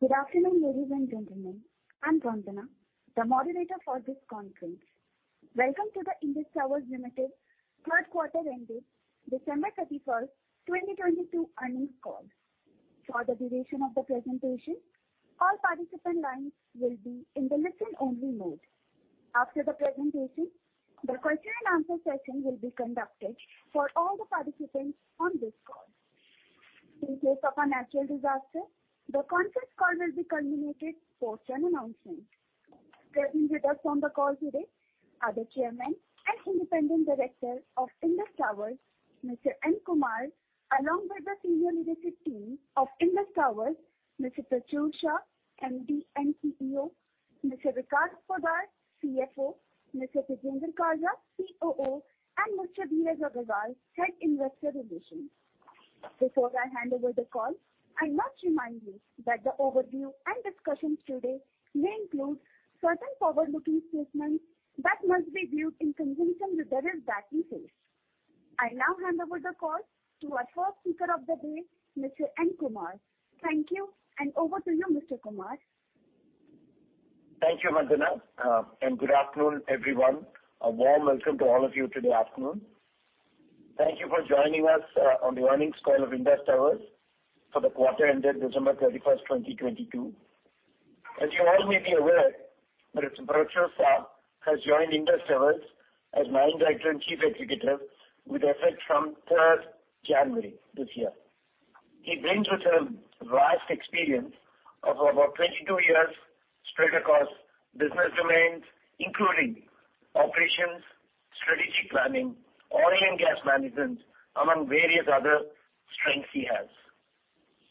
Good afternoon, ladies and gentlemen. I'm Vandana, the moderator for this conference. Welcome to the Indus Towers Limited third quarter ending December 31st, 2022 earnings call. For the duration of the presentation, all participant lines will be in the listen only mode. After the presentation, the question and answer session will be conducted for all the participants on this call. In case of a natural disaster, the conference call will be communicated for further announcement. Present with us on the call today are the Chairman and Independent Director of Indus Towers, Mr. N. Kumar, along with the senior executive team of Indus Towers, Mr. Prachur Shah, MD and CPO, Mr. Vikas Poddar, CFO, Mr. Tejinder Kalra, COO, and Mr. Dheeraj Agarwal, Head Investor Relations. Before I hand over the call, I must remind you that the overview and discussions today may include certain forward-looking statements that must be viewed in conjunction with the risk that we face. I now hand over the call to our first speaker of the day, Mr. N. Kumar. Thank you, and over to you, Mr. Kumar. Thank you, Vandana. Good afternoon, everyone. A warm welcome to all of you today afternoon. Thank you for joining us on the earnings call of Indus Towers for the quarter ended December 31, 2022. As you all may be aware, Mr. Prachur Shah has joined Indus Towers as Managing Director and Chief Executive with effect from third January this year. He brings with him vast experience of over 22 years spread across business domains, including operations, strategic planning, oil and gas management, among various other strengths he has.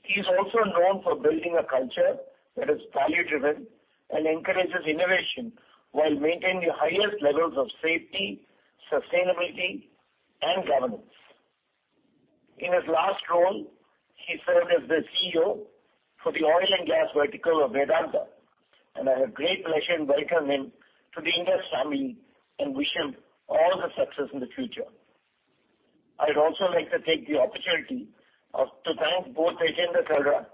He is also known for building a culture that is value-driven and encourages innovation while maintaining the highest levels of safety, sustainability, and governance. In his last role, he served as the CEO for the oil and gas vertical of Vedanta, and I have great pleasure in welcoming him to the Indus family and wish him all the success in the future. I'd also like to take the opportunity to thank both Tejinder Kalra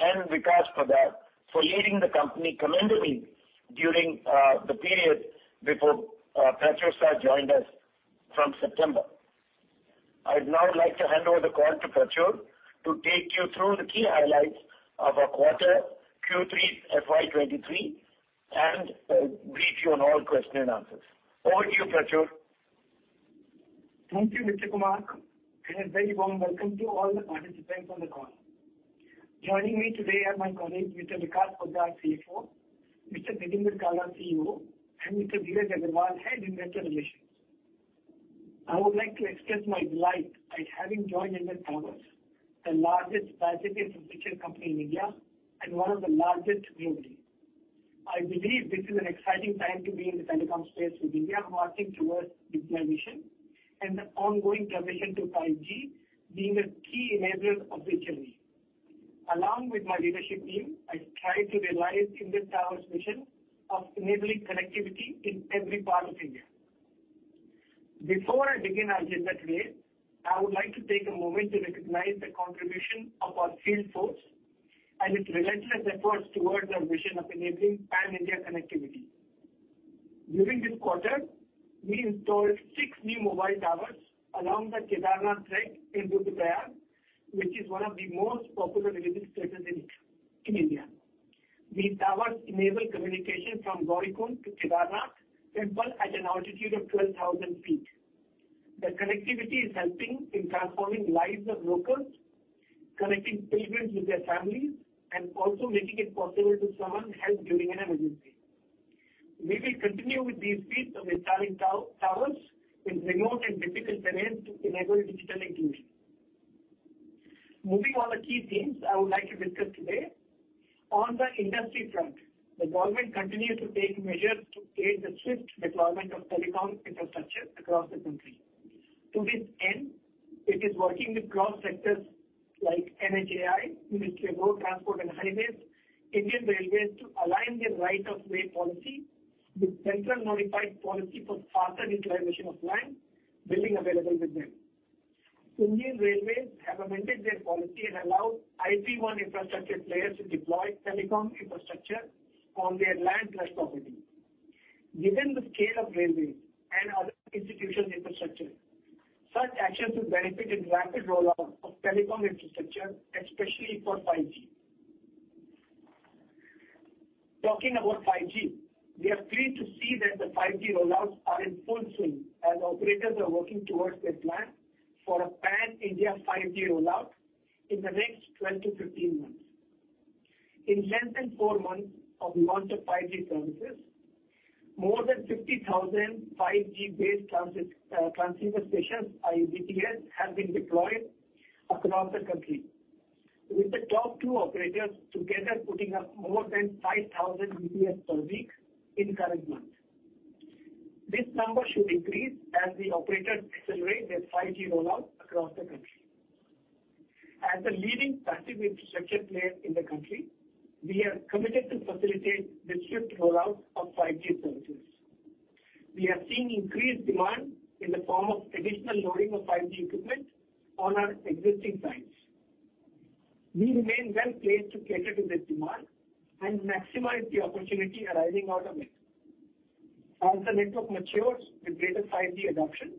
and Vikas Poddar for leading the company commendably during the period before Prachur Shah joined us from September. I'd now like to hand over the call to Prachur to take you through the key highlights of our quarter Q3 FY 2023 and brief you on all question and answers. Over to you, Prachur. Thank you, Mr. Kumar. A very warm welcome to all the participants on the call. Joining me today are my colleagues, Mr. Vikas Poddar, CFO, Mr. Tejinder Kalra, COO, and Mr. Dheeraj Agarwal, Head Investor Relations. I would like to express my delight at having joined Indus Towers, the largest passive infrastructure company in India and one of the largest globally. I believe this is an exciting time to be in the telecom space in India, marching towards Digital Mission and the ongoing transition to 5G being a key enabler of this journey. Along with my leadership team, I strive to realize Indus Towers' mission of enabling connectivity in every part of India. Before I begin our agenda today, I would like to take a moment to recognize the contribution of our field force and its relentless efforts towards our vision of enabling pan-India connectivity. During this quarter, we installed six new mobile towers along the Kedarnath trek in Uttarakhand, which is one of the most popular religious treasures in India. These towers enable communication from Gaurikund to Kedarnath temple at an altitude of 12,000 ft. The connectivity is helping in transforming lives of locals, connecting pilgrims with their families, and also making it possible to summon help during an emergency. We will continue with these feats of installing towers in remote and difficult terrains to enable digital inclusion. Moving on the key themes I would like to discuss today. On the industry front, the government continues to take measures to create the swift deployment of telecom infrastructure across the country. To this end, it is working with cross-sectors like NHAI, Ministry of Road Transport and Highways, Indian Railways to align their Right of Way policy with central notified policy for faster declaration of land building available with them. Indian Railways have amended their policy and allowed IP-1 infrastructure players to deploy telecom infrastructure on their land trust property. Given the scale of railways and other institutional infrastructure, such actions will benefit in rapid rollout of telecom infrastructure, especially for 5G. Talking about 5G, we are pleased to see that the 5G rollouts are in full swing as operators are working towards their plan for a pan-India 5G rollout in the next 12-15 months. In less than four months of launch of 5G services, more than 50,000 5G base transceiver stations, i.e., BTS, have been deployed across the country, with the top two operators together putting up more than 5,000 BTS per week in current month. This number should increase as the operators accelerate their 5G rollout across the country. As a leading passive infrastructure player in the country, we are committed to facilitate the swift rollout of 5G services. We are seeing increased demand in the form of additional loading of 5G equipment on our existing sites. We remain well-placed to cater to this demand and maximize the opportunity arising out of it. As the network matures with greater 5G adoption,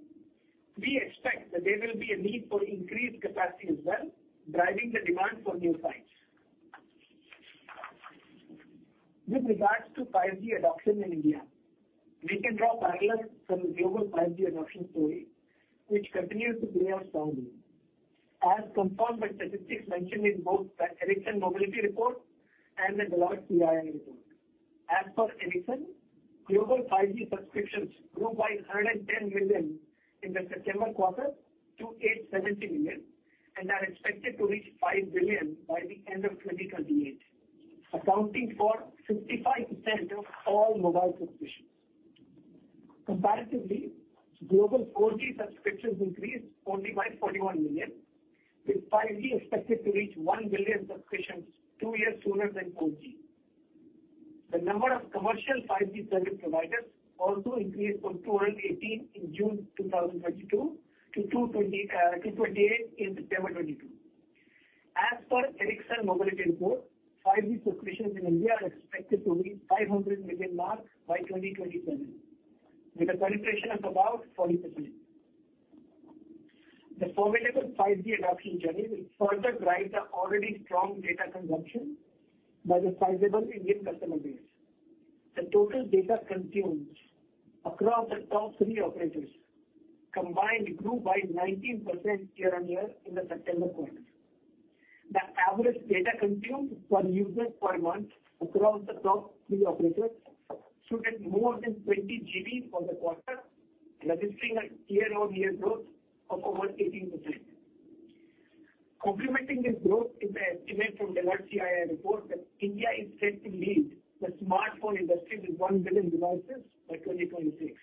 we expect that there will be a need for increased capacity as well, driving the demand for new sites. With regards to 5G adoption in India, we can draw parallels from the global 5G adoption story, which continues to play out strongly, as confirmed by statistics mentioned in both the Ericsson Mobility Report and the Deloitte CII report. As per Ericsson, global 5G subscriptions grew by 110 million in the September quarter to 870 million and are expected to reach 5 billion by the end of 2028, accounting for 55% of all mobile subscriptions. Comparatively, global 4G subscriptions increased only by 41 million, with 5G expected to reach 1 billion subscriptions two years sooner than 4G. The number of commercial 5G service providers also increased from 218 in June 2022 to 228 in September 2022. As per Ericsson Mobility Report, 5G subscriptions in India are expected to reach 500 million mark by 2027, with a penetration of about 40%. The formidable 5G adoption journey will further drive the already strong data consumption by the sizable Indian customer base. The total data consumed across the top three operators combined grew by 19% year-on-year in the September quarter. The average data consumed per user per month across the top three operators stood at more than 20 GB for the quarter, registering a year-on-year growth of over 18%. Complementing this growth is the estimate from Deloitte CII report that India is set to lead the smartphone industry with 1 billion devices by 2026.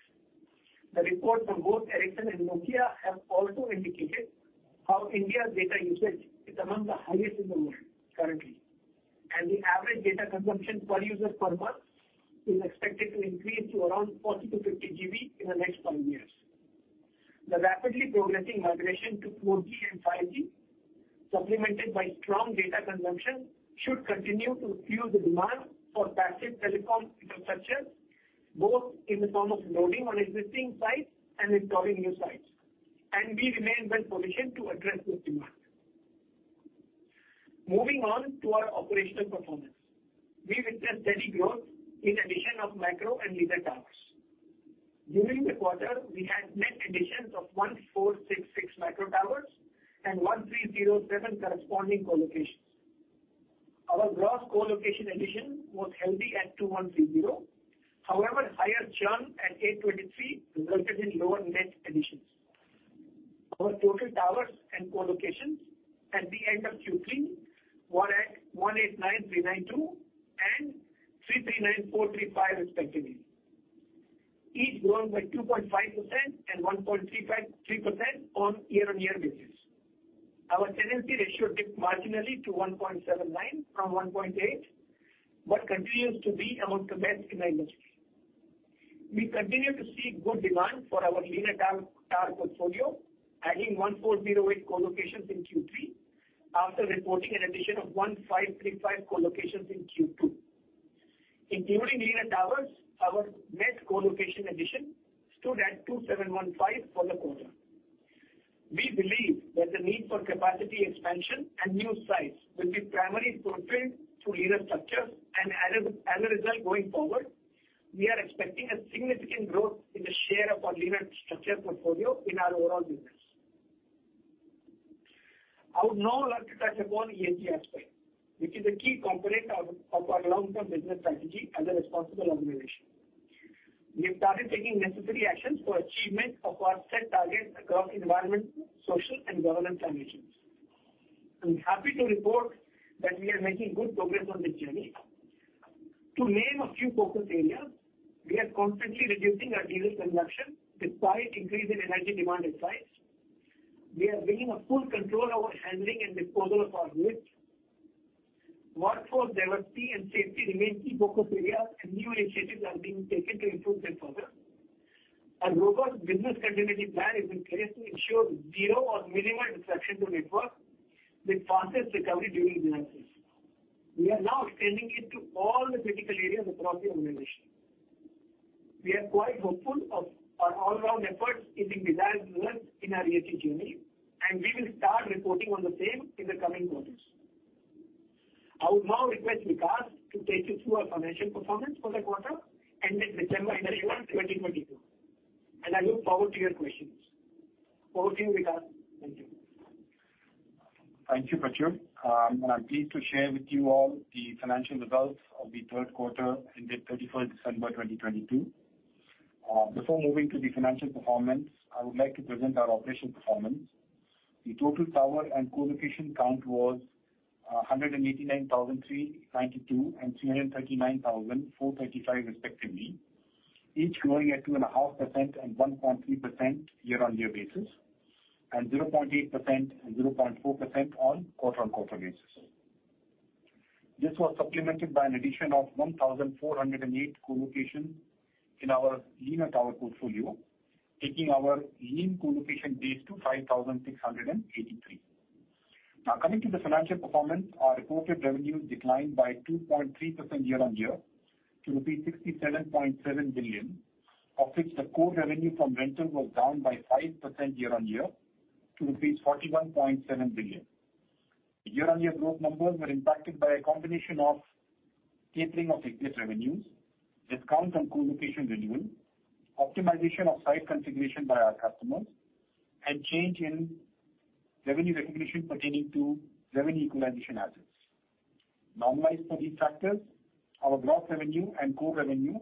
The report from both Ericsson and Nokia have also indicated how India's data usage is among the highest in the world currently, and the average data consumption per user per month is expected to increase to around 40-50 GB in the next five years. The rapidly progressing migration to 4G and 5G, supplemented by strong data consumption, should continue to fuel the demand for passive telecom infrastructure, both in the form of loading on existing sites and installing new sites, and we remain well-positioned to address this demand. Moving on to our operational performance. We witnessed steady growth in addition of macro and leaner towers. During the quarter, we had net additions of 1,466 macro towers and 1,307 corresponding co-locations. Our gross co-location addition was healthy at 2,130. However, higher churn at 823 resulted in lower net additions. Our total towers and co-locations at the end of Q3 were at 189,392 and 339,435 respectively, each growing by 2.5% and 1.3% on year-on-year basis. Our tenancy ratio dipped marginally to 1.79 from 1.8, but continues to be amongst the best in the industry. We continue to see good demand for our leaner tower portfolio, adding 1,408 co-locations in Q3 after reporting an addition of 1,535 co-locations in Q2. Including leaner towers, our net co-location addition stood at 2,715 for the quarter. We believe that the need for capacity expansion and new sites will be primarily fulfilled through leaner structures. As a, as a result going forward, we are expecting a significant growth in the share of our leaner structure portfolio in our overall business. I would now like to touch upon ESG aspect, which is a key component of our long-term business strategy as a responsible organization. We have started taking necessary actions for achievement of our set targets across environmental, social, and governance dimensions. I'm happy to report that we are making good progress on this journey. To name a few focus areas, we are constantly reducing our diesel consumption despite increase in energy demand in sites. We are bringing a full control over handling and disposal of our waste. Workforce diversity and safety remain key focus areas, and new initiatives are being taken to improve them further. A robust business continuity plan is in place to ensure zero or minimal disruption to network with fastest recovery during disasters. We are now extending it to all the critical areas across the organization. We are quite hopeful of our all around efforts giving desired results in our ESG journey, and we will start reporting on the same in the coming quarters. I would now request Vikas to take you through our financial performance for the quarter ended December 31, 2022. I look forward to your questions. Over to you, Vikas. Thank you. Thank you, Prachur Shah. I'm pleased to share with you all the financial results of the third quarter ended 31st December, 2022. Before moving to the financial performance, I would like to present our operational performance. The total tower and co-location count was 189,392 and 339,435 respectively, each growing at 2.5% and 1.3% year-on-year basis, and 0.8% and 0.4% on quarter-on-quarter basis. This was supplemented by an addition of 1,408 co-locations in our lean tower portfolio, taking our lean co-location base to 5,683. Now coming to the financial performance. Our reported revenues declined by 2.3% year-on-year to rupees 67.7 billion, of which the core revenue from rentals was down by 5% year-on-year to 41.7 billion. Year-on-year growth numbers were impacted by a combination of tapering of existing revenues, discount on co-location revenue, optimization of site configuration by our customers, and change in revenue recognition pertaining to revenue equalization assets. Normalized for these factors, our gross revenue and core revenue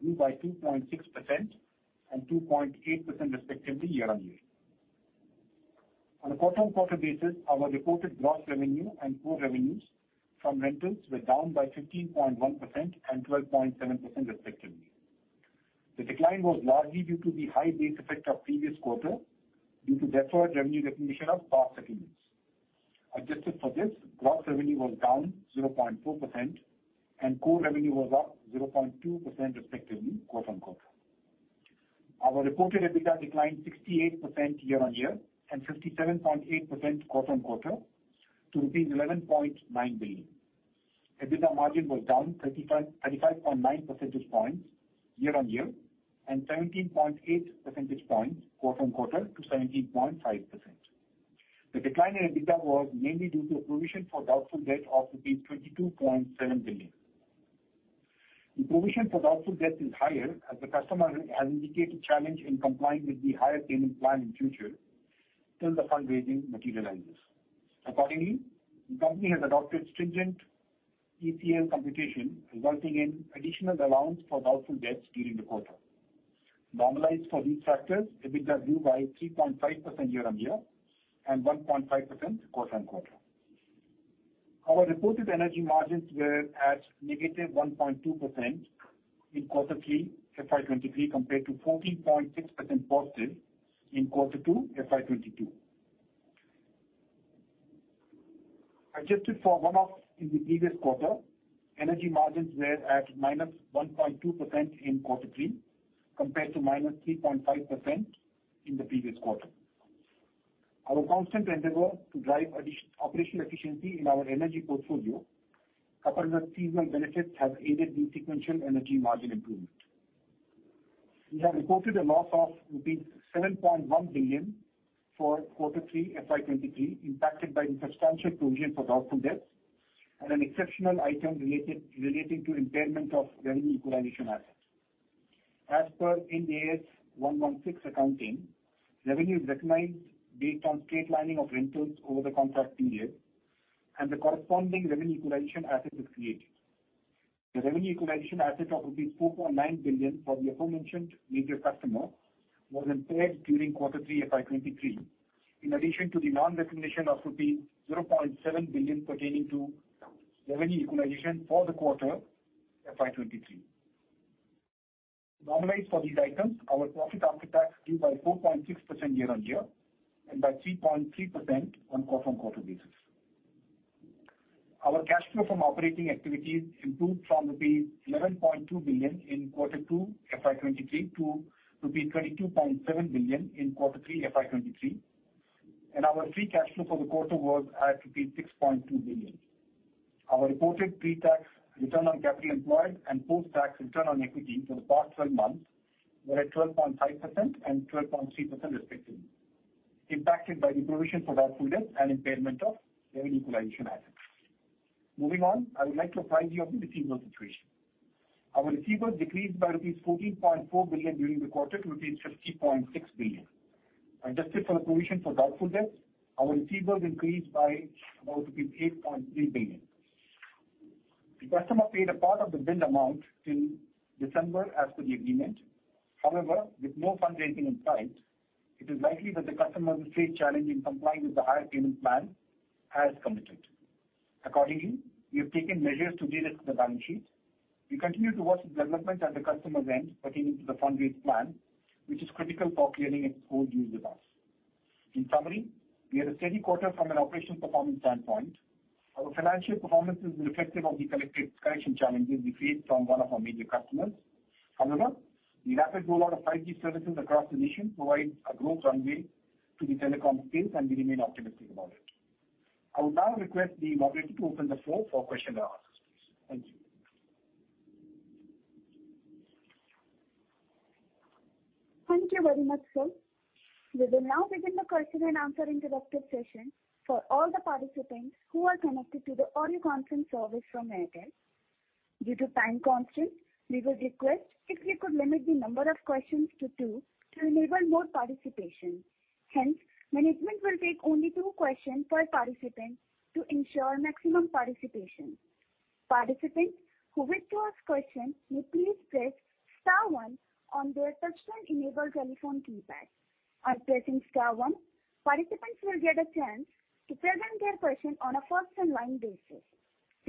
grew by 2.6% and 2.8% respectively year-on-year. On a quarter-on-quarter basis, our reported gross revenue and core revenues from rentals were down by 15.1% and 12.7% respectively. The decline was largely due to the high base effect of previous quarter due to deferred revenue recognition of past settlements. Adjusted for this, gross revenue was down 0.4% and core revenue was up 0.2% respectively quarter-on-quarter. Our reported EBITDA declined 68% year-on-year and 57.8% quarter-on-quarter to rupees 11.9 billion. EBITDA margin was down 35.9 percentage points year-on-year and 17.8 percentage points quarter-on-quarter to 17.5%. The decline in EBITDA was mainly due to a provision for doubtful debt of 22.7 billion. The provision for doubtful debt is higher as the customer has indicated challenge in complying with the higher payment plan in future till the fundraising materializes. Accordingly, the company has adopted stringent ECL computation, resulting in additional allowance for doubtful debts during the quarter. Normalized for these factors, EBITDA grew by 3.5% year-on-year, and 1.5% quarter-on-quarter. Our reported energy margins were at -1.2% in Q3 FY23, compared to +14.6% in Q2 FY 2022. Adjusted for one-off in the previous quarter, energy margins were at -1.2% in Q3, compared to -3.5% in the previous quarter. Our constant endeavor to drive operational efficiency in our energy portfolio, coupled with seasonal benefits, have aided the sequential energy margin improvement. We have reported a loss of rupees 7.1 billion for Q3 FY 2023, impacted by the substantial provision for doubtful debts and an exceptional item relating to impairment of revenue equalization assets. As per Ind AS 116 accounting, revenues recognized based on straight lining of rentals over the contract period and the corresponding revenue equalization asset is created. The revenue equalization asset of rupees 4.9 billion for the aforementioned major customer was impaired during Q3 FY 2023. In addition to the non-recognition of rupees 0.7 billion pertaining to revenue equalization for Q3 FY 2023. Normalized for these items, our profit after tax grew by 4.6% year-on-year and by 3.3% on quarter-on-quarter basis. Our cash flow from operating activities improved from rupees 11.2 billion in Q2 FY 2023 to rupees 22.7 billion in Q3 FY 2023. Our free cash flow for the quarter was at rupees 6.2 billion. Our reported pre-tax return on capital employed and post-tax return on equity for the past 12 months were at 12.5% and 12.3% respectively, impacted by the provision for doubtful debts and impairment of revenue equalization assets. Moving on, I would like to apprise you of the receivable situation. Our receivables decreased by rupees 14.4 billion during the quarter to rupees 50.6 billion. Adjusted for the provision for doubtful debts, our receivables increased by about rupee 8.3 billion. The customer paid a part of the billed amount till December as per the agreement. However, with no fundraising in sight, it is likely that the customer will face challenge in complying with the higher payment plan as committed. Accordingly, we have taken measures to de-risk the balance sheet. We continue to watch the development at the customer's end pertaining to the fundraise plan, which is critical for clearing its old dues with us. In summary, we had a steady quarter from an operational performance standpoint. Our financial performance is reflective of the collected collection challenges we faced from one of our major customers. However, the rapid rollout of 5G services across the nation provides a growth runway to the telecom space, and we remain optimistic about it. I would now request the moderator to open the floor for question and answers. Thank you. Thank you very much, sir. We will now begin the question and answer interactive session for all the participants who are connected to the audio conference service from Airtel. Due to time constraints, we will request if you could limit the number of questions to two to enable more participation. Management will take only two questions per participant to ensure maximum participation. Participants who wish to ask questions may please press star one on their touchtone enabled telephone keypad. On pressing star one, participants will get a chance to present their question on a first in line basis.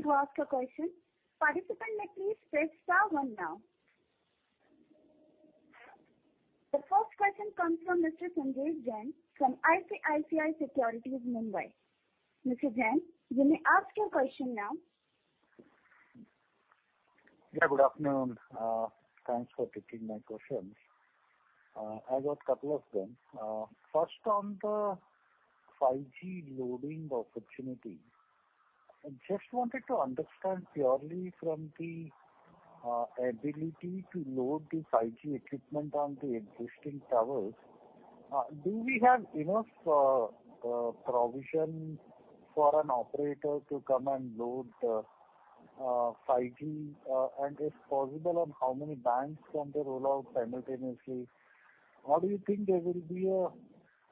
To ask a question, participant may please press star one now. Next question comes from Mr. Sanjay Jain from ICICI Securities, Mumbai. Mr. Jain, you may ask your question now. Yeah, good afternoon. Thanks for taking my questions. I've got couple of them. First on the 5G loading opportunity. I just wanted to understand purely from the ability to load the 5G equipment on the existing towers. Do we have enough provision for an operator to come and load 5G, and if possible, and how many bands can they roll out simultaneously? Or do you think there will be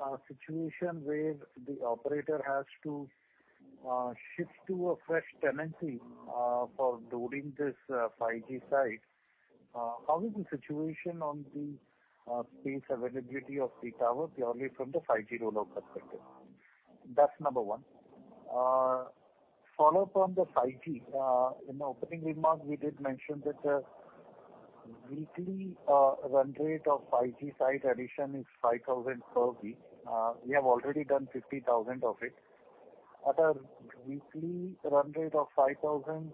a situation where the operator has to shift to a fresh tenancy for loading this 5G site? How is the situation on the space availability of the tower purely from the 5G rollout perspective? That's number one. Follow from the 5G. In opening remarks, we did mention that weekly run rate of 5G site addition is 5,000 per week. We have already done 50,000 of it. At a weekly run rate of 5,000,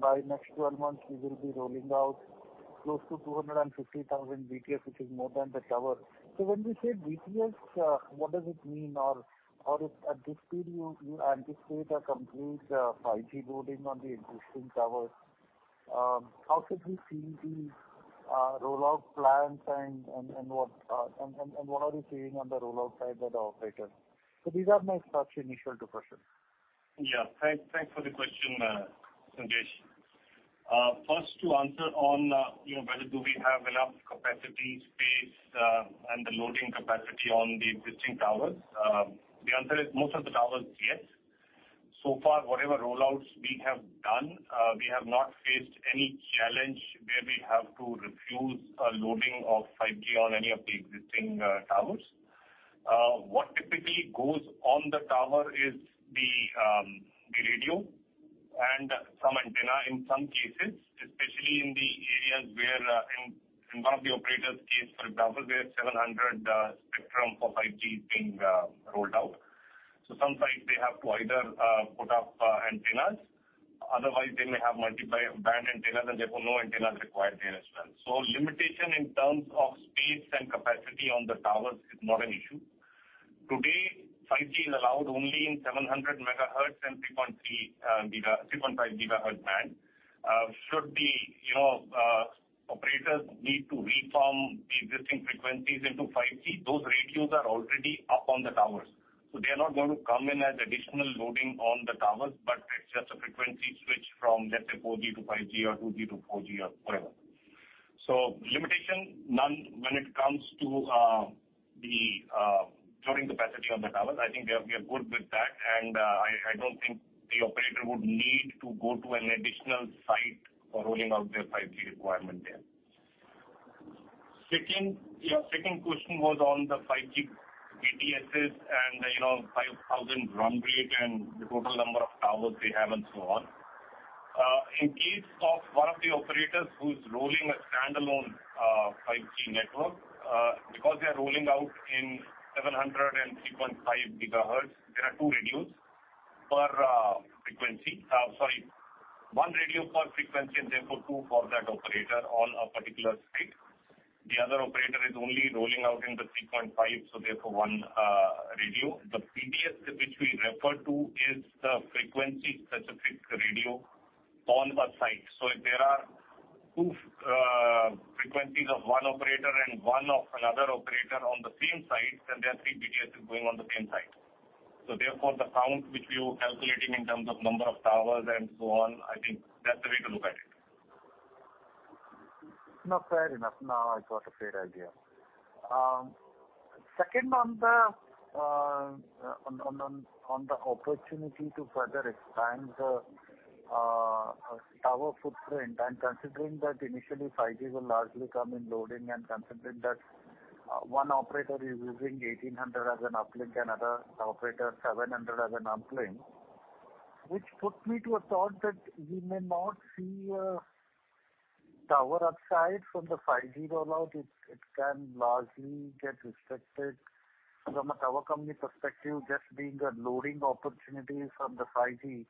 by next 12 months we will be rolling out close to 250,000 BTS, which is more than the tower. When we say BTS, what does it mean, or at this period you anticipate a complete 5G loading on the existing towers? How should we see these rollout plans and what are you seeing on the rollout side by the operators? These are my such initial two questions. Thanks for the question, Sanjay. First to answer on, you know, whether do we have enough capacity, space, and the loading capacity on the existing towers. The answer is most of the towers, yes. So far, whatever rollouts we have done, we have not faced any challenge where we have to refuse loading of 5G on any of the existing towers. What typically goes on the tower is the radio and some antenna in some cases, especially in the areas where, in one of the operators case, for example, they have 700 spectrum for 5G being rolled out. Some sites they have to either put up antennas, otherwise they may have multiply band antennas and therefore no antennas required there as well. Limitation in terms of space and capacity on the towers is not an issue. Today, 5G is allowed only in 700 MHz and 3.3.5 GHz band. Should the, you know, operators need to reform the existing frequencies into 5G, those radios are already up on the towers, so they are not going to come in as additional loading on the towers, but it's just a frequency switch from, let's say, 4G to 5G or 2G to 4G or whatever. Limitation none when it comes to the loading capacity on the towers. I think we are good with that. I don't think the operator would need to go to an additional site for rolling out their 5G requirement there. Second, your second question was on the 5G BTSs and, you know, 5,000 run rate and the total number of towers they have and so on. In case of one of the operators who's rolling a standalone 5G network, because they are rolling out in 703.5 GHz. There are 2 radios per frequency. Sorry, 1 radio per frequency and therefore 2 for that operator on a particular site. The other operator is only rolling out in the 3.5, so therefore 1 radio. The BTS which we refer to is the frequency-specific radio on a site. If there are 2 frequencies of 1 operator and 1 of another operator on the same site, then there are 3 BTSs going on the same site. Therefore the count which you're calculating in terms of number of towers and so on, I think that's the way to look at it. No, fair enough. Now I got a fair idea. Second, on the opportunity to further expand the tower footprint, considering that initially 5G will largely come in loading, and considering that one operator is using 1,800 as an uplink and other operator 700 as an uplink, which puts me to a thought that we may not see a tower upside from the 5G rollout. It can largely get restricted from a tower company perspective, just being a loading opportunity from the 5G.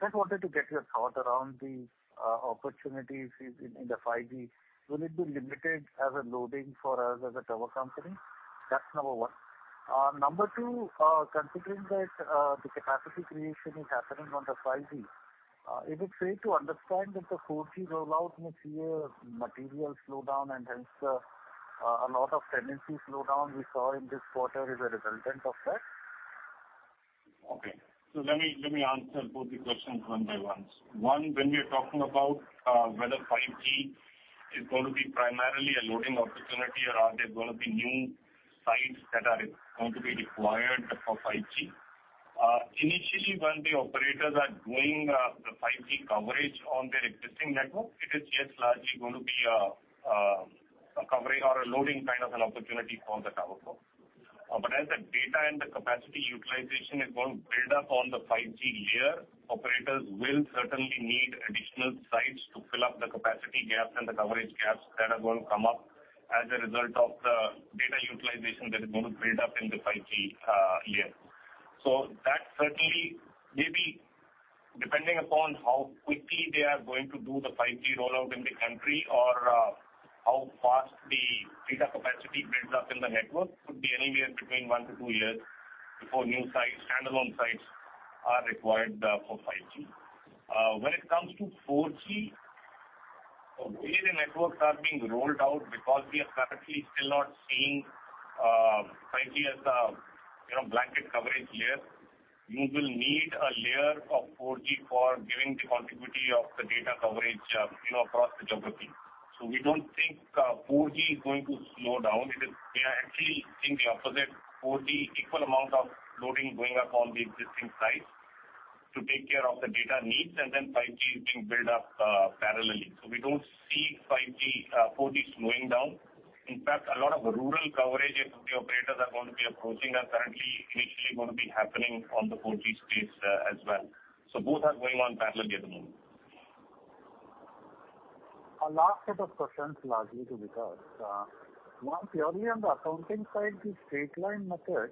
Just wanted to get your thought around the opportunities is in the 5G. Will it be limited as a loading for us as a tower company? That's number 1. Number two, considering that the capacity creation is happening on the 5G, is it fair to understand that the 4G rollout may see a material slowdown, and hence, a lot of tenancy slowdown we saw in this quarter is a resultant of that? Okay. Let me answer both the questions one by one. One, when we are talking about whether 5G is going to be primarily a loading opportunity or are there going to be new sites that are going to be required for 5G. Initially, when the operators are doing the 5G coverage on their existing network, it is just largely going to be a covering or a loading kind of an opportunity for the tower co. As the data and the capacity utilization is going to build up on the 5G layer, operators will certainly need additional sites to fill up the capacity gaps and the coverage gaps that are going to come up as a result of the data utilization that is going to build up in the 5G layer. That certainly may be depending upon how quickly they are going to do the 5G rollout in the country or how fast the data capacity builds up in the network could be anywhere between 1-2 years before new sites, standalone sites are required for 5G. When it comes to 4G, where the networks are being rolled out because we are currently still not seeing 5G as a, you know, blanket coverage layer. You will need a layer of 4G for giving the continuity of the data coverage, you know, across the geography. We don't think 4G is going to slow down. We are actually seeing the opposite. 4G equal amount of loading going up on the existing sites to take care of the data needs and then 5G is being built up parallelly. We don't see 5G, 4G slowing down. In fact, a lot of rural coverage if the operators are going to be approaching are currently initially gonna be happening on the 4G space as well. Both are going on parallelly at the moment. A last set of questions largely to Vikas. One purely on the accounting side, the straight line method,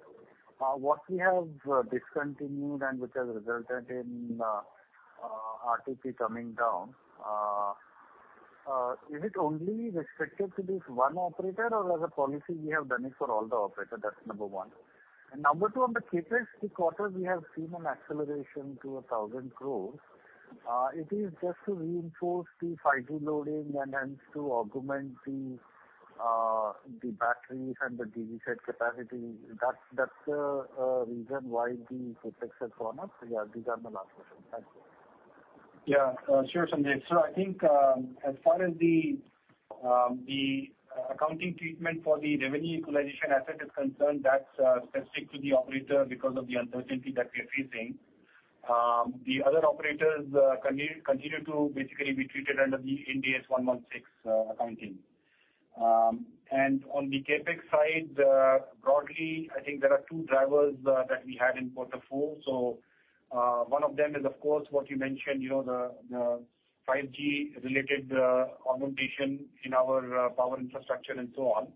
what we have discontinued and which has resulted in RTP coming down. Is it only respective to this one operator or as a policy we have done it for all the operator? That's number 1. Number 2, on the CapEx this quarter, we have seen an acceleration to 1,000 crore. It is just to reinforce the 5G loading and to augment the batteries and the DC side capacity. That's reason why the CapEx has gone up. Yeah, these are my last questions. Thanks. Yeah. Sure, Sandeep. I think, as far as the accounting treatment for the revenue equalization asset is concerned, that's specific to the operator because of the uncertainty that we are facing. The other operators continue to basically be treated under the Ind AS 116 accounting. On the CapEx side, broadly, I think there are two drivers that we had in quarter four. One of them is of course what you mentioned, you know, the 5G related augmentation in our power infrastructure and so on.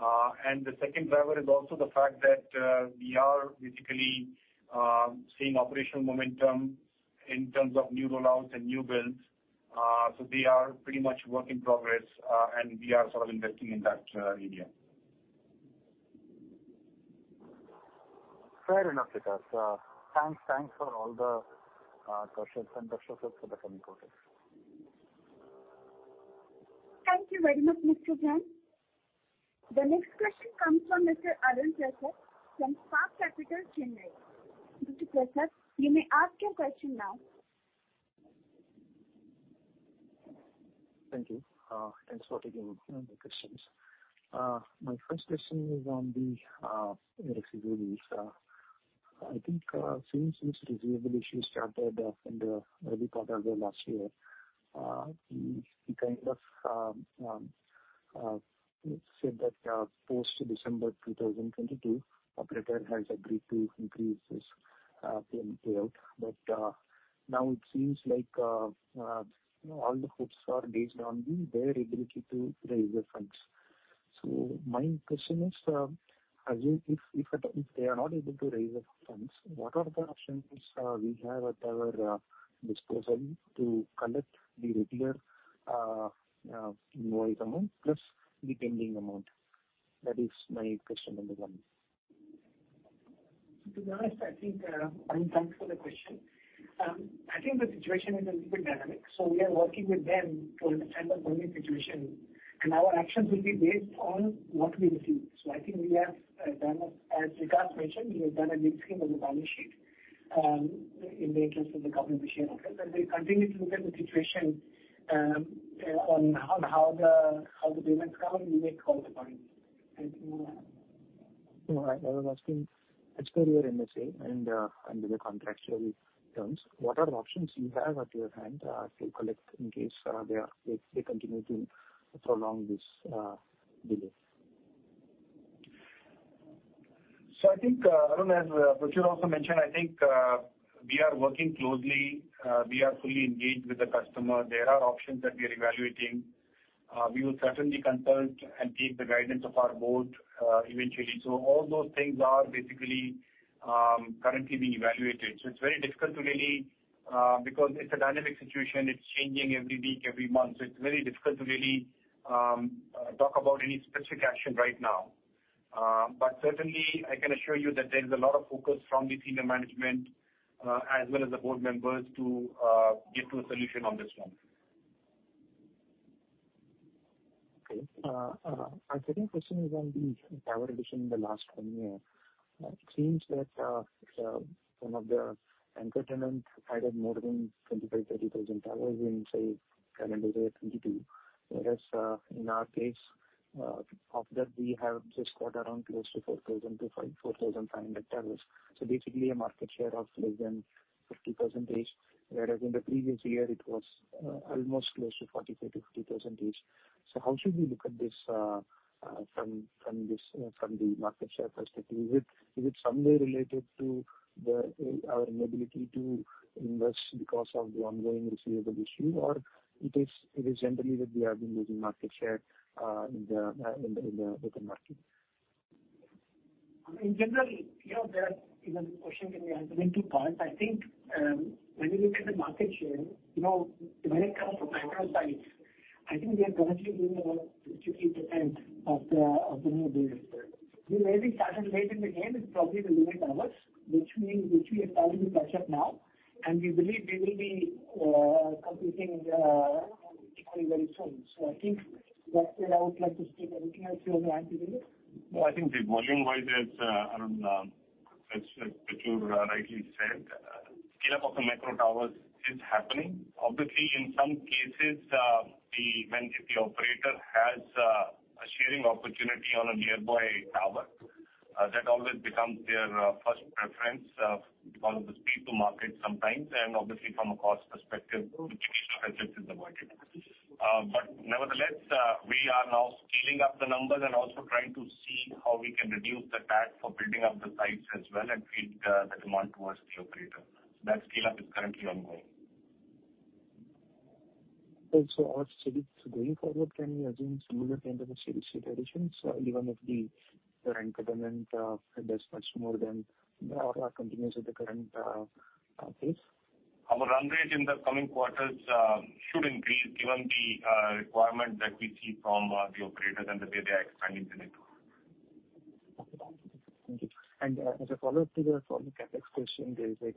The second driver is also the fact that we are basically seeing operational momentum in terms of new rollouts and new builds. They are pretty much work in progress, and we are sort of investing in that area. Fair enough, Vikas. Thanks for all the questions and best of luck for the coming quarters. Thank you very much, Mr. Jain. The next question comes from Mr. Arun Prasad from Spark Capital, Chennai. Mr. Prasad, you may ask your question now. Thank you. Thanks for taking my questions. My first question is on the air receivable issue. I think, since this receivable issue started in the early quarter of the last year, we kind of said that post December 2022, operator has agreed to increase this payment payout. Now it seems like, you know, all the hopes are based on the their ability to raise the funds. My question is, as if they are not able to raise the funds, what are the options we have at our disposal to collect the regular invoice amount plus the pending amount? That is my question number one. Thanks for the question. I think the situation is a little bit dynamic, we are working with them to understand the current situation and our actions will be based on what we receive. I think we have done, as Vikas mentioned, we have done a mid-stream of the balance sheet in the interest of the company we share. Okay. We continue to look at the situation on how the payments come, we make all the payments. Thank you. All right. I was asking as per your MSA and under the contractual terms, what are the options you have at your hand to collect in case they continue to prolong this delay? I think, Arun, as Prachur also mentioned, I think, we are working closely. We are fully engaged with the customer. There are options that we are evaluating. We will certainly consult and take the guidance of our board eventually. All those things are basically currently being evaluated. It's very difficult to really, because it's a dynamic situation, it's changing every week, every month. It's very difficult to really talk about any specific action right now. Certainly I can assure you that there is a lot of focus from the senior management, as well as the board members to get to a solution on this one. Okay. Our second question is on the tower addition in the last one year. It seems that some of the anchor tenants added more than 25,000-30,000 towers in, say, calendar year 2022. Of that we have just got around close to 4,000-5, 4,500 towers. Basically a market share of less than 50%, in the previous year it was almost close to 43%-50%. How should we look at this from the market share perspective? Is it somewhere related to our inability to invest because of the ongoing receivable issue or it is generally that we have been losing market share with the market? I mean, generally, you know, there is a question can be answered in two parts. I think, when you look at the market share, you know, when it comes to macro sites, I think we are currently doing about 50% of the new business. We maybe started late in the game is probably the limit hours, which means we are starting to catch up now, we believe we will be completing equally very soon. I think that's where I would like to speak. Anything else you would like to add? I think the volume wise is, I don't know, as Prachur Shah rightly said, scale up of the micro towers is happening. Obviously, in some cases, when if the operator has a sharing opportunity on a nearby tower, that always becomes their first preference, because of the speed to market sometimes, and obviously from a cost perspective, which additional CapEx is avoided. Nevertheless, we are now scaling up the numbers and also trying to see how we can reduce the TAT for building up the sites as well and feed the demand towards the operator. That scale-up is currently ongoing. Okay. Going forward, can we assume similar kind of a CDC additions, given if the rent payment, does much more than or continues at the current pace? Our run rate in the coming quarters should increase given the requirement that we see from the operators and the way they are expanding the network. Thank you. As a follow-up to the CapEx question, there is like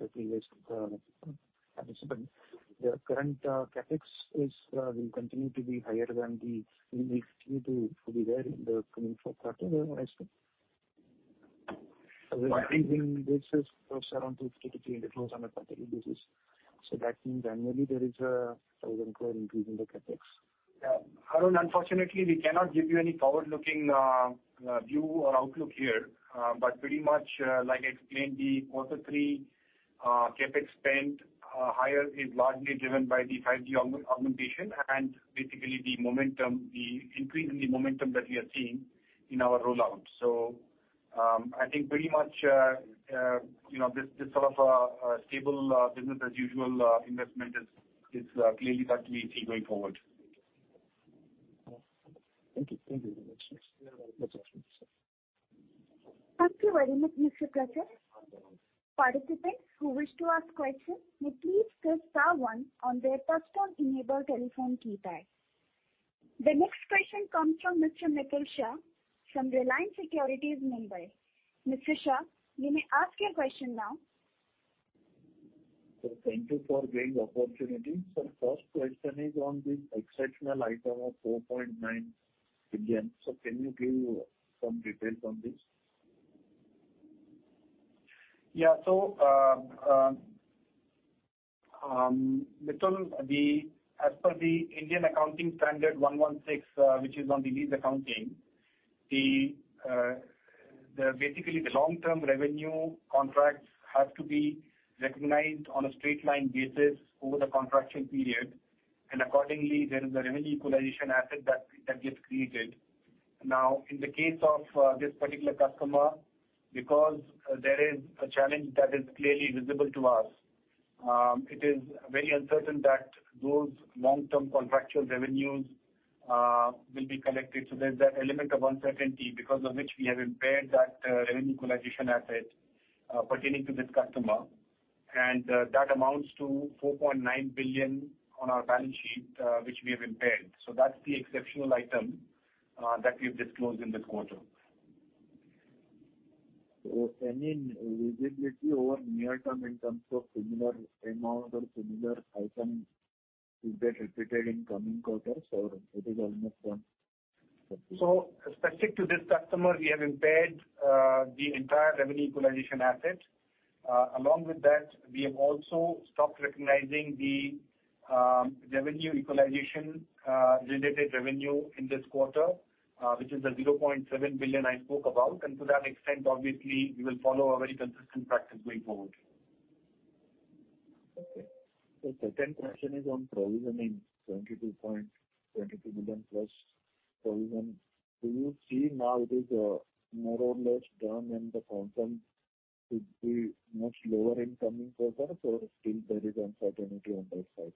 the current CapEx will continue to be higher than the to be there in the coming four quarters I assume. Basis of around INR 200-INR 300 crore on a quarterly basis. That means annually there is a 1,000 crore increase in the CapEx. Yeah. Arun, unfortunately, we cannot give you any forward-looking view or outlook here. Pretty much, like I explained the quarter 3, CapEx spend higher is largely driven by the 5G augmentation and basically the momentum, the increase in the momentum that we are seeing in our rollout. I think pretty much, you know, this sort of stable business as usual investment is clearly that we see going forward. Thank you. Thank you very much. Thank you very much, Mr. Prasad. Participants who wish to ask questions may please press star one on their touchtone enabled telephone keypad. The next question comes from Mr. Nikhil Shah from Reliance Securities Mumbai. Mr. Shah, you may ask your question now. Thank you for giving the opportunity. First question is on this exceptional item of 4.9 billion. Can you give some details on this? Nikhil, as per the Indian Accounting Standard 116, which is on the lease accounting, basically the long-term revenue contracts have to be recognized on a straight line basis over the contraction period, and accordingly, there is a revenue equalization asset that gets created. In the case of this particular customer, because there is a challenge that is clearly visible to us, it is very uncertain that those long-term contractual revenues will be collected. There's that element of uncertainty because of which we have impaired that revenue equalization asset pertaining to this customer, and that amounts to 4.9 billion on our balance sheet, which we have impaired. That's the exceptional item that we've disclosed in this quarter. Any visibility over near term in terms of similar amount or similar item will get repeated in coming quarters or it is almost done? Specific to this customer, we have impaired the entire revenue equalization asset. Along with that, we have also stopped recognizing the revenue equalization related revenue in this quarter, which is the 0.7 billion I spoke about. To that extent, obviously, we will follow a very consistent practice going forward. Okay. The second question is on provisioning 22.22 billion plus provision. Do you see now it is more or less done and the concern could be much lower in coming quarter or still there is uncertainty on that side?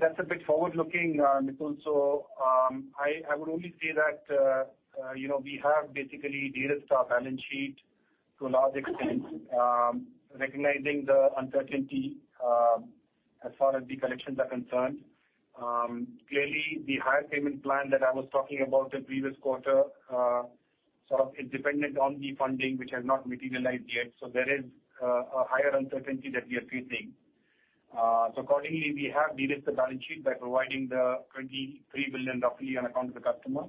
That's a bit forward looking, Nikhil. I would only say that, you know, we have basically de-risked our balance sheet to a large extent, recognizing the uncertainty as far as the collections are concerned. Clearly the higher payment plan that I was talking about the previous quarter sort of is dependent on the funding which has not materialized yet. There is a higher uncertainty that we are facing. Accordingly, we have de-risked the balance sheet by providing the 23 billion roughly on account of the customer.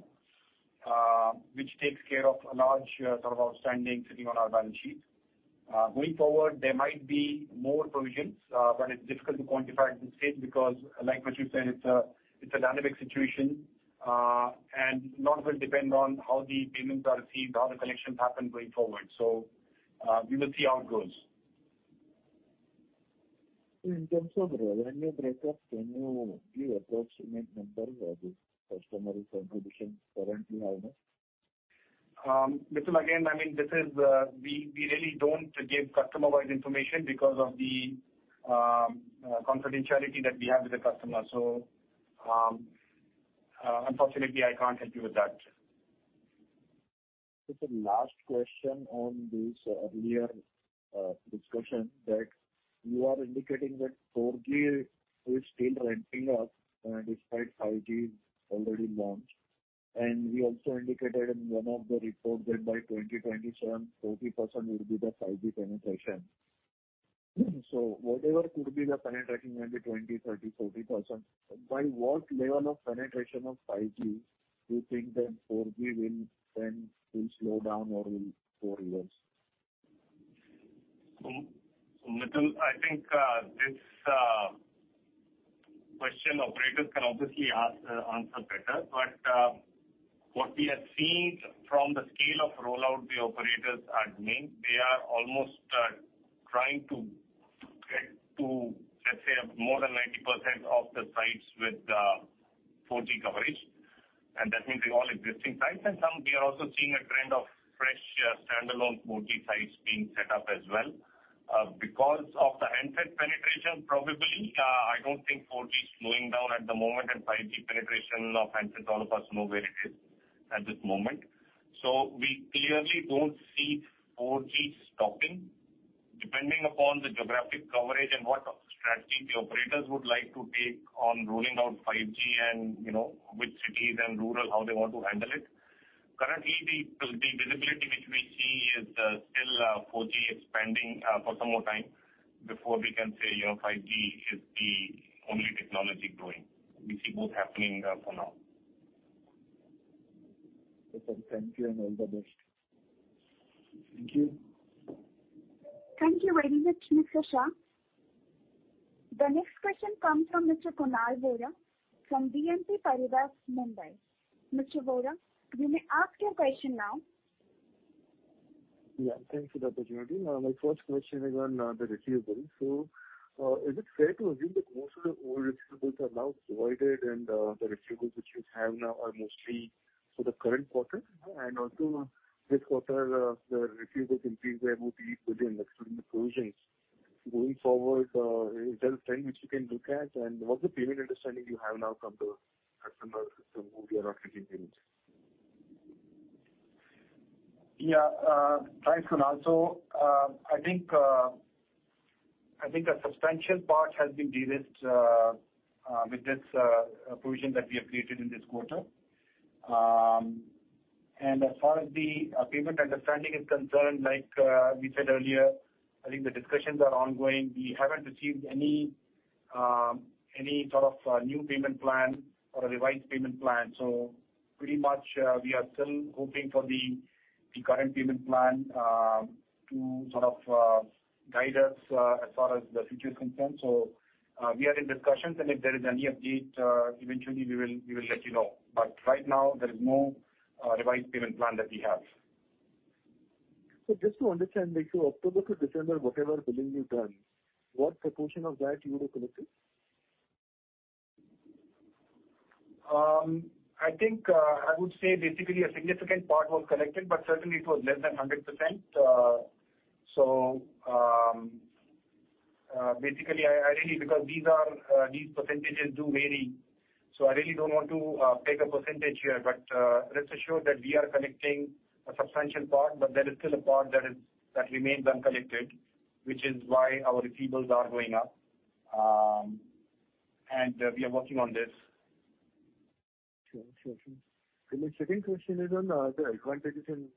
Which takes care of a large sort of outstanding sitting on our balance sheet. Going forward, there might be more provisions, but it's difficult to quantify at this stage because like what you said, it's a dynamic situation. A lot will depend on how the payments are received, how the collections happen going forward. We will see how it goes. In terms of revenue breakup, can you give approximate numbers of this customer contribution currently having? Mr. Nikhil, I mean, we really don't give customer-wide information because of the confidentiality that we have with the customer. Unfortunately, I can't help you with that. Just a last question on this earlier discussion that you are indicating that 4G is still ramping up despite 5G is already launched. We also indicated in one of the reports that by 2027, 40% will be the 5G penetration. Whatever could be the penetration, maybe 20%, 30%, 40%. By what level of penetration of 5G do you think that 4G will then slow down or will fall worse? Mr. Nikhil, I think, this question operators can obviously ask, answer better. What we have seen from the scale of rollout the operators are doing, they are almost trying to get to, let's say, more than 90% of the sites with 4G coverage. That means the all existing sites. Some we are also seeing a trend of fresh standalone 4G sites being set up as well. Because of the handset penetration, probably, I don't think 4G is slowing down at the moment, and 5G penetration of handsets, all of us know where it is at this moment. We clearly don't see 4G stopping. Depending upon the geographic coverage and what strategy the operators would like to take on rolling out 5G and, you know, which cities and rural, how they want to handle it. Currently, the visibility which we see is still 4G expanding for some more time before we can say, you know, 5G is the only technology growing. We see both happening for now. Okay. Thank you, and all the best. Thank you. Thank you very much, Mr. Shah. The next question comes from Mr. Kunal Vora from BNP Paribas, Mumbai. Mr. Vora, you may ask your question now. Yeah, thanks for the opportunity. My first question is on the receivables. Is it fair to assume that most of the old receivables are now provided and the receivables which you have now are mostly for the current quarter? This quarter, the receivables increase there would be within extreme provisions. Going forward, is there a trend which you can look at? What's the payment understanding you have now from the customers who we are not receiving payments? Yeah. Hi, Kunal. I think a substantial part has been de-list with this provision that we have created in this quarter. As far as the payment understanding is concerned, like we said earlier, I think the discussions are ongoing. We haven't received any sort of new payment plan or a revised payment plan. Pretty much, we are still hoping for the current payment plan to sort of guide us as far as the future is concerned. We are in discussions, if there is any update, eventually we will let you know. Right now, there is no revised payment plan that we have. Just to understand, like from October to December, whatever billing you've done, what proportion of that you have collected? I think, I would say basically a significant part was collected, but certainly it was less than 100%. Basically, I really, because these are, these percentages do vary, so I really don't want to, take a percentage here. Rest assured that we are collecting a substantial part, but there is still a part that remains uncollected, which is why our receivables are going up. We are working on this. Sure, sure. My second question is on the advantages and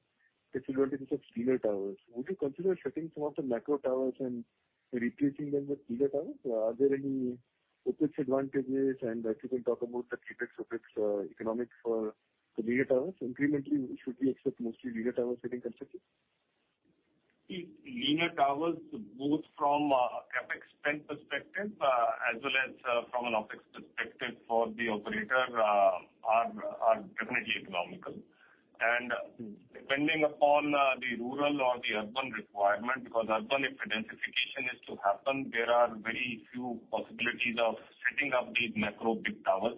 disadvantages of linear towers. Would you consider shutting some of the macro towers and replacing them with linear towers? Are there any CapEx advantages? If you can talk about the CapEx, OpEx economics for the linear towers. Incrementally, should we expect mostly linear towers getting constructed? See, linear towers, both from a CapEx spend perspective, as well as, from an OpEx perspective for the operator, are definitely economical. Depending upon, the rural or the urban requirement, because urban, if densification is to happen, there are very few possibilities of setting up these macro big towers.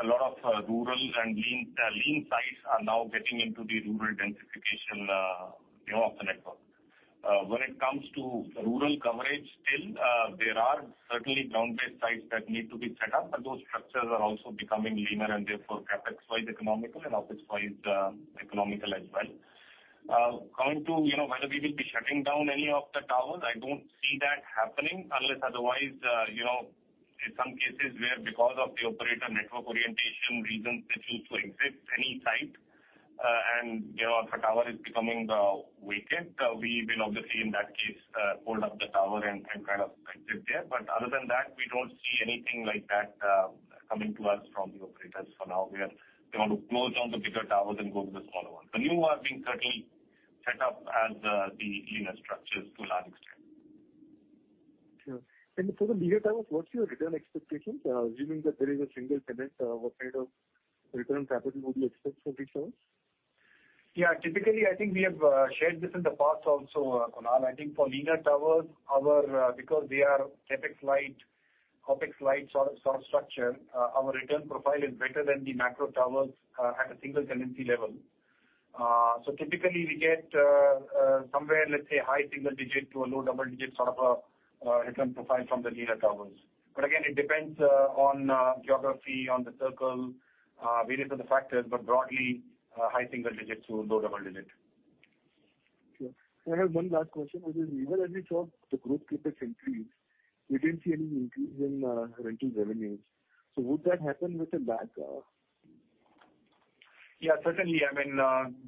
A lot of, rural and lean sites are now getting into the rural densification, you know, of the network. When it comes to rural coverage, still, there are certainly ground-based sites that need to be set up, but those structures are also becoming linear and therefore CapEx-wise economical and OpEx-wise, economical as well. Coming to, you know, whether we will be shutting down any of the towers, I don't see that happening unless otherwise, you know, in some cases where because of the operator network orientation reasons, they choose to exit any site. You know, if a tower is becoming, weakened, we will obviously in that case, hold up the tower and kind of exit there. Other than that, we don't see anything like that, coming to us from the operators for now. They want to close down the bigger towers and go to the smaller ones. The new are being certainly set up as, the linear structures to a large extent. Sure. For the linear towers, what's your return expectations? Assuming that there is a single tenant, what kind of return capital would you expect from these towers? Typically, I think we have shared this in the past also, Kunal. I think for linear towers, our because they are CapEx light, OpEx light so structure, our return profile is better than the macro towers at a single tenancy level. Typically we get somewhere, let's say high single-digit to a low double-digit sort of a return profile from the linear towers. Again, it depends on geography, on the circle, various other factors. Broadly, high single digits to low double digits. I have one last question, which is even as we saw the growth CapEx increase, we didn't see any increase in rental revenues. Would that happen with a lag? Yeah, certainly. I mean,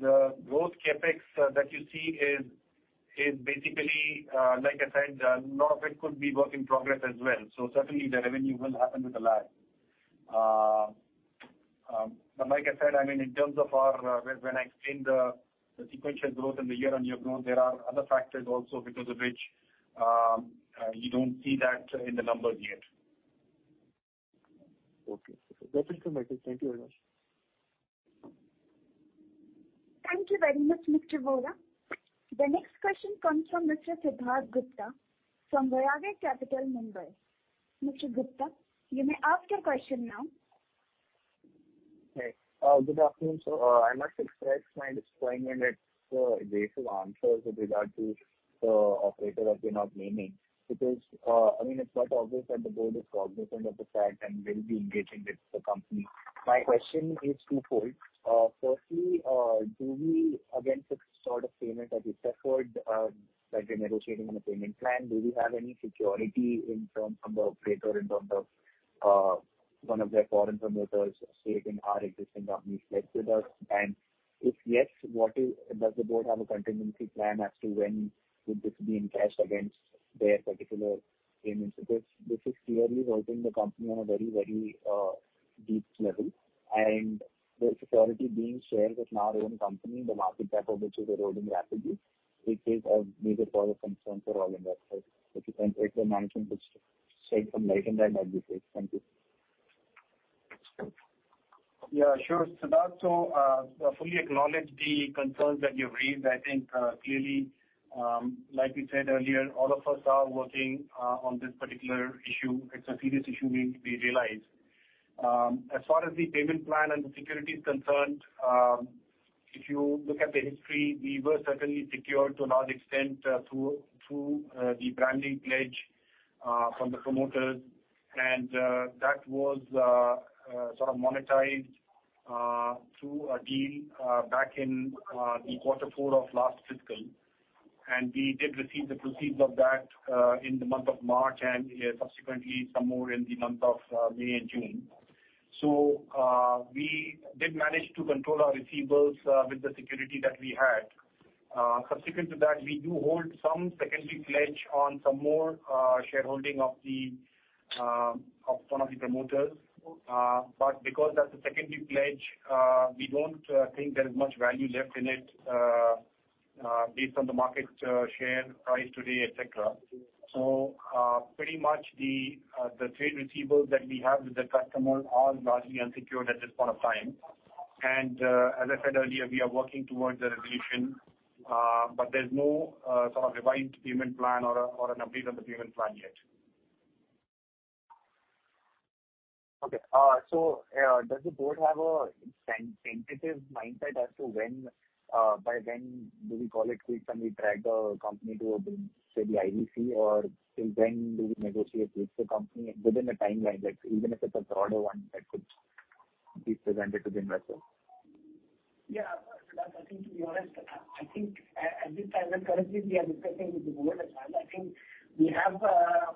the growth CapEx that you see is basically, like I said, a lot of it could be work in progress as well. Certainly the revenue will happen with a lag. Like I said, I mean in terms of our, when I explained the sequential growth and the year-on-year growth, there are other factors also because of which, you don't see that in the numbers yet. Okay. That's informative. Thank you very much. Thank you very much, Mr. Vora. The next question comes from Mr. Siddharth Gupta from Voyager Capital, Mumbai. Mr. Gupta, you may ask your question now. Hey, good afternoon, sir. I must express my disappointment at evasive answers with regard to the operator that you're not naming. I mean, it's not obvious that the board is cognizant of the fact and will be engaging with the company. My question is twofold. Firstly, do we again fix sort of payment as you suffered, like we're negotiating on a payment plan. Do we have any security in terms of the operator in terms of one of their foreign promoters stake in our existing companies pledged with us? If yes, does the board have a contingency plan as to when would this be encashed against their particular payments? This is clearly hurting the company on a very deep level. The security being shared with our own company, the market cap of which is eroding rapidly, it is a major cause of concern for all investors. If you can take the management to shed some light on that'd be great. Thank you. Yeah, sure, Siddharth. I fully acknowledge the concerns that you've raised. I think, clearly, like we said earlier, all of us are working on this particular issue. It's a serious issue, we realize. As far as the payment plan and the security is concerned, if you look at the history, we were certainly secured to a large extent, through the branding pledge from the promoters. That was sort of monetized through a deal back in the quarter four of last fiscal. We did receive the proceeds of that in the month of March and subsequently some more in the month of May and June. We did manage to control our receivables with the security that we had. Subsequent to that, we do hold some secondary pledge on some more shareholding of one of the promoters. Because that's a secondary pledge, we don't think there is much value left in it, based on the market share price today, et cetera. Pretty much the trade receivables that we have with the customer are largely unsecured at this point of time. As I said earlier, we are working towards a resolution, but there's no sort of revised payment plan or an update on the payment plan yet. Okay. Does the board have a sensitive mindset as to when, by when do we call it quits and we drag the company to the IBC or till when do we negotiate with the company within a timeline that even if it's a broader one that could be presented to the investor? Yeah. Siddharth, I think to be honest, I think at this time, and currently we are discussing with the board as well. I think we have,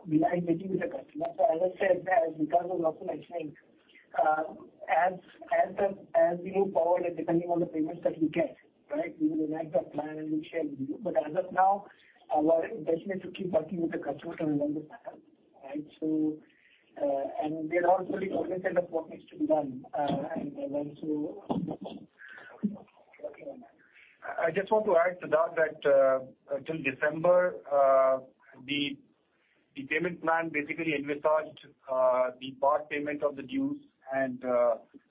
we are engaging with the customer. As I said, because of lawful reasoning, as the, as we move forward and depending on the payments that we get, right, we will enact our plan and we'll share with you. As of now, our intention is to keep working with the customer to resolve this matter. Right. And we are also fully cognizant of what needs to be done. And so working on that. I just want to add, Siddharth, that till December, the payment plan basically envisaged the part payment of the dues and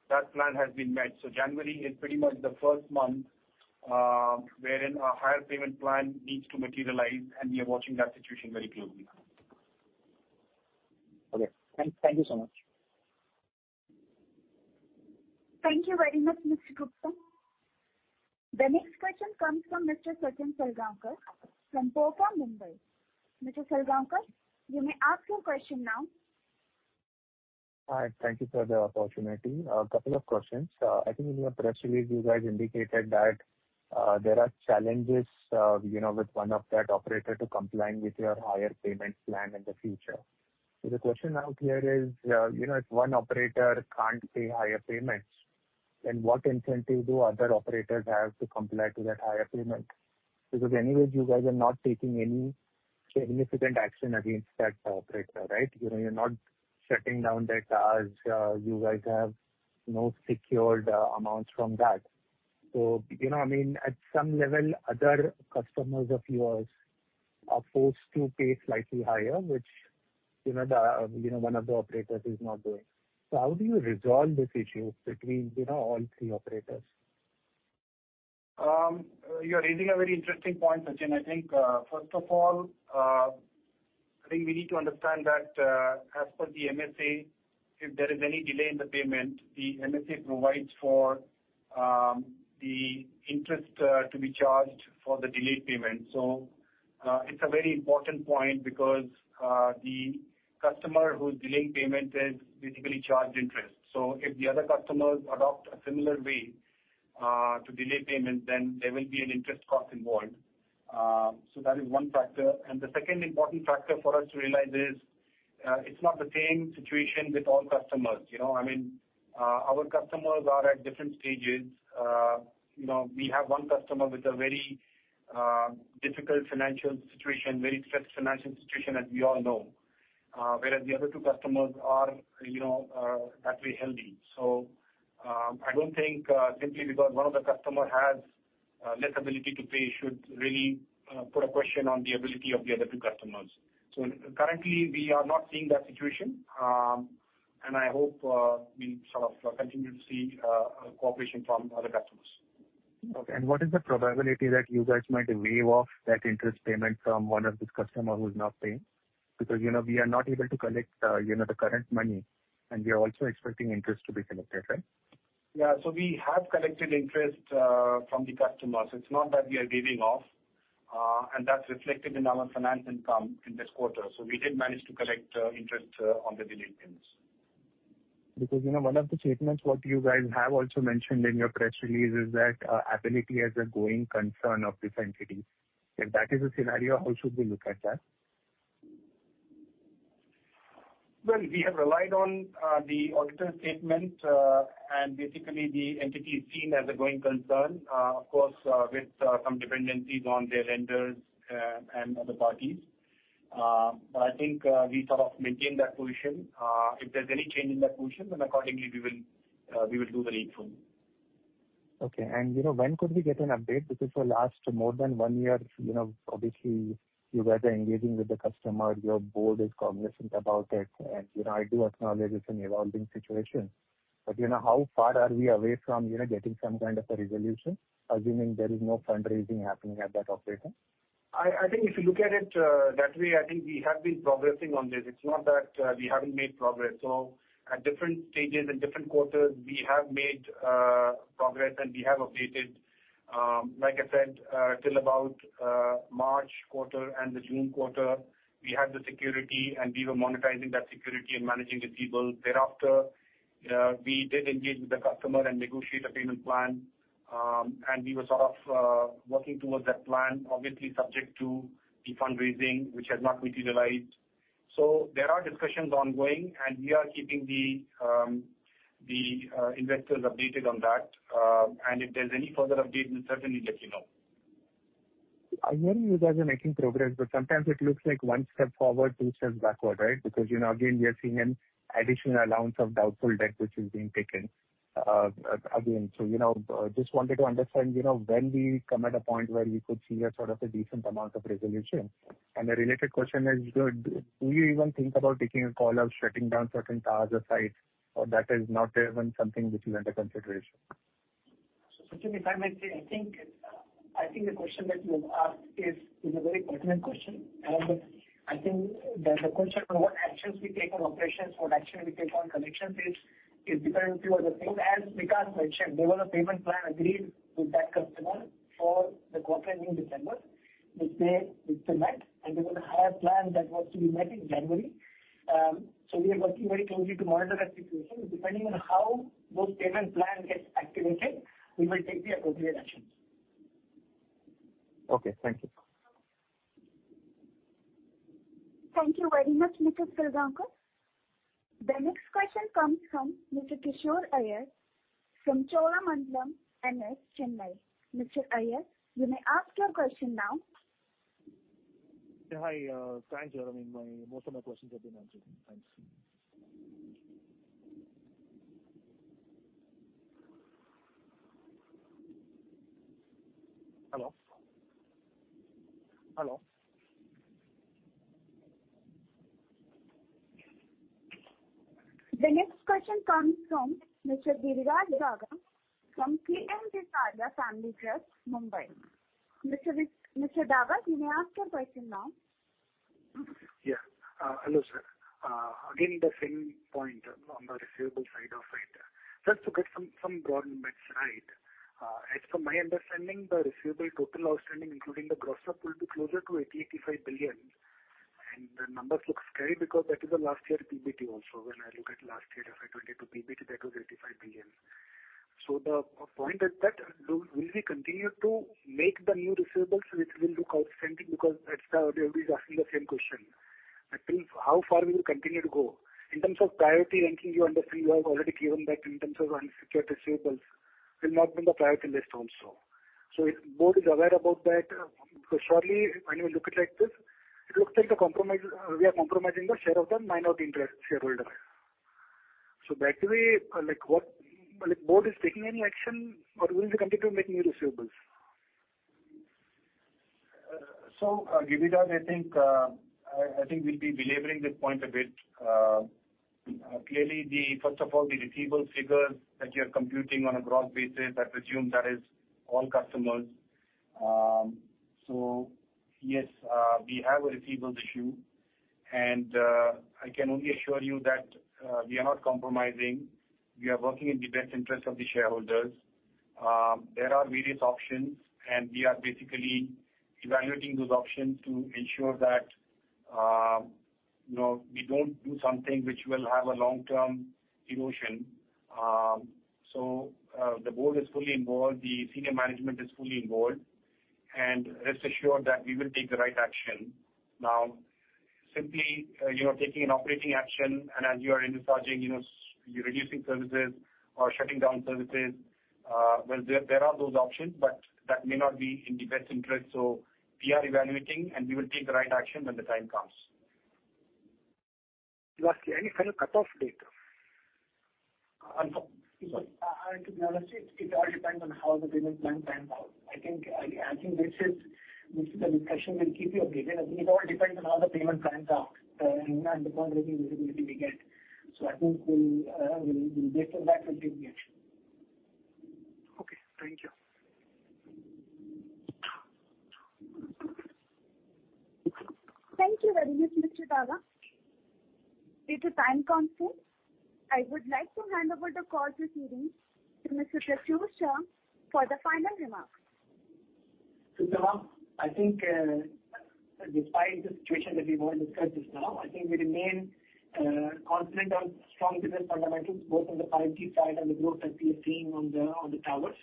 that plan has been met. January is pretty much the first month, wherein a higher payment plan needs to materialize, and we are watching that situation very closely. Okay. Thank you so much. Thank you very much, Mr. Gupta. The next question comes from Mr. Sachin Salgaonkar from BofA, Mumbai. Mr. Salgaonkar, you may ask your question now. Hi, thank you for the opportunity. A couple of questions. I think in your press release you guys indicated that there are challenges, you know, with one of that operator to complying with your higher payment plan in the future. The question out here is, you know, if one operator can't pay higher payments, then what incentive do other operators have to comply to that higher payment? Anyways, you guys are not taking any significant action against that operator, right? You know, you're not shutting down their towers. You guys have no secured amounts from that. You know, I mean, at some level, other customers of yours are forced to pay slightly higher, which, you know, the, you know, one of the operators is not doing. How do you resolve this issue between, you know, all three operators? You're raising a very interesting point, Sachin. I think, first of all, I think we need to understand that, as per the MSA, if there is any delay in the payment, the MSA provides for the interest to be charged for the delayed payment. It's a very important point because the customer who is delaying payment is basically charged interest. If the other customers adopt a similar way to delay payment, then there will be an interest cost involved. That is one factor. The second important factor for us to realize is it's not the same situation with all customers. You know, I mean, our customers are at different stages. You know, we have one customer with a very difficult financial situation, very stressed financial situation, as we all know, whereas the other two customers are, you know, actually healthy. I don't think simply because one of the customer has less ability to pay should really put a question on the ability of the other two customers. Currently, we are not seeing that situation. I hope we sort of continue to see cooperation from other customers. Okay. What is the probability that you guys might waive off that interest payment from one of these customer who is not paying? Because, you know, we are not able to collect, you know, the current money, and we are also expecting interest to be collected, right? Yeah. We have collected interest from the customers. It's not that we are giving off. That's reflected in our finance income in this quarter. We did manage to collect interest on the delayed payments. You know, one of the statements what you guys have also mentioned in your press release is that ability as a going concern of this entity. If that is the scenario, how should we look at that? We have relied on the auditor statement, basically the entity is seen as a going concern, of course, with some dependencies on their lenders and other parties. I think we sort of maintain that position. If there's any change in that position, accordingly we will do the needful. Okay. When could we get an update? For last more than one year, you know, obviously you guys are engaging with the customer. Your board is cognizant about it. I do acknowledge it's an evolving situation. How far are we away from, you know, getting some kind of a resolution, assuming there is no fundraising happening at that operator? I think if you look at it, that way, I think we have been progressing on this. It's not that we haven't made progress. At different stages, in different quarters, we have made progress and we have updated. Like I said, till about March quarter and the June quarter, we had the security and we were monetizing that security and managing the receivable. Thereafter, we did engage with the customer and negotiate a payment plan. We were sort of working towards that plan, obviously subject to the fundraising which has not materialized. There are discussions ongoing, and we are keeping the investors updated on that. If there's any further update, we'll certainly let you know. I'm hearing you guys are making progress, but sometimes it looks like one step forward, two steps backward, right? You know, again, we are seeing an additional allowance of doubtful debt which is being taken again. You know, just wanted to understand, you know, when we come at a point where we could see a sort of a decent amount of resolution. The related question is, do you even think about taking a call of shutting down certain towers or sites, or that is not even something which is under consideration? Sachin, if I may say, I think, I think the question that you have asked is a very pertinent question. I think that the question on what actions we take on operations, what action we take on connection fees is dependent few other things. As Vikas mentioned, there was a payment plan agreed with that customer for the quarter ending December, which they did submit, and there was a higher plan that was to be met in January. We are working very closely to monitor that situation. Depending on how those payment plan gets activated, we will take the appropriate actions. Okay. Thank you. Thank you very much, Mr. Salgaonkar. The next question comes from Mr. Kishore Iyer from Cholamandalam NS, Chennai. Mr. Iyer, you may ask your question now. Yeah. Hi. Thanks. I mean, most of my questions have been answered. Thanks. Hello? Hello? The next question comes from Mr. Giriraj Daga from KMVKS Family Trust, Mumbai. Mr. Daga, you may ask your question now. Yeah. Hello sir. Again, the same point on the receivable side of it. Just to get some broad numbers right, as per my understanding, the receivable total outstanding, including the gross up, will be closer to 80 billion-85 billion. The numbers look scary because that is the last year PBT also. When I look at last year FY 2022 PBT, that was 85 billion. The point is that will we continue to make the new receivables which will look outstanding because that's the. Everybody is asking the same question. I think how far will you continue to go? In terms of priority ranking, you understand you have already given that in terms of unsecured receivables will not be in the priority list also. If board is aware about that, because surely when you look it like this, it looks like the compromise, we are compromising the share of the minority interest shareholder. That way, what board is taking any action or will you continue making new receivables? Giriraj, I think we'll be belaboring this point a bit. Clearly, first of all, the receivables figure that you're computing on a gross basis, I presume that is all customers. Yes, we have a receivables issue. I can only assure you that we are not compromising. We are working in the best interest of the shareholders. There are various options, and we are basically evaluating those options to ensure that, you know, we don't do something which will have a long-term erosion. The board is fully involved, the senior management is fully involved. Rest assured that we will take the right action. Simply, you know, taking an operating action and as you are envisaging, you know, you're reducing services or shutting down services, well, there are those options, but that may not be in the best interest. We are evaluating, and we will take the right action when the time comes. You ask any kind of cut-off date? No. To be honest, it all depends on how the payment plan pans out. I think this is a discussion we'll keep you updated. I mean, it all depends on how the payment plans are and the point of visibility we get. I think we'll get to that and take the action. Okay. Thank you. Thank you very much, Mr. Daga. Due to time constraints, I would like to hand over the call proceedings to Mr. Prachur Shah for the final remarks. Prachur Shah. I think, despite the situation that we've all discussed just now, I think we remain confident on strong business fundamentals, both on the 5G side and the growth that we are seeing on the towers.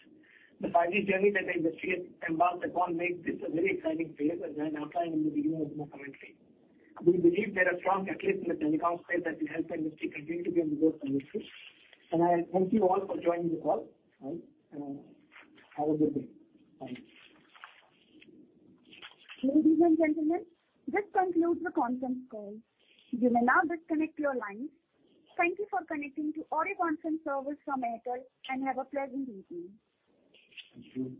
The 5G journey that the industry has embarked upon makes this a very exciting phase, as I outlined in the beginning of my commentary. We believe there are strong catalysts in the telecoms space that will help the industry continue to be on the growth trajectory. I thank you all for joining the call, and have a good day. Bye. Ladies and gentlemen, this concludes the conference call. You may now disconnect your lines. Thank you for connecting to AURE Conference Service from Airtel, and have a pleasant evening. Thank you.